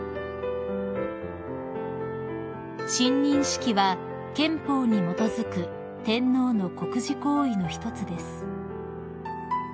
［親任式は憲法に基づく天皇の国事行為の一つです］